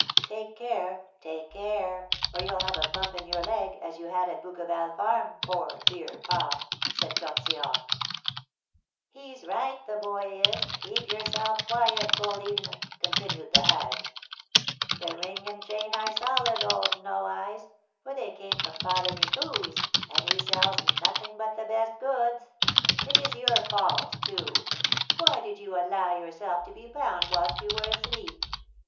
"Take care! Take care, or you'll have a bump in your leg, as you had at Bouqueval farm, poor dear pa!" said Tortillard. "He's right, the boy is, keep yourself quiet, fourline," continued the hag; "the ring and chain are solid, old No Eyes, for they came from Father Micou's, and he sells nothing but the best goods. It is your fault, too; why did you allow yourself to be bound whilst you were asleep?